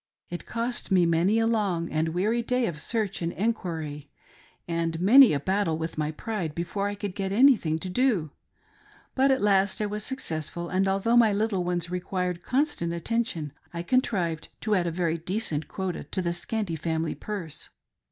It cost me many a long ajjd weary day of search and enquiry, and many a battle with my pride before I could get anything to do, but at last I was successful, and although my little ones required constant attention, I contrived to add a very decent quota to the scanty family purse.